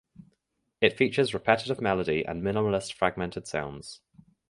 It features repetitive melody and minimalist fragmented sounds.